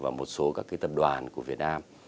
và một số các tập đoàn của việt nam